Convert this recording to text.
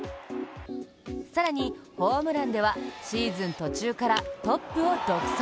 更にホームランではシーズン途中からトップを独走。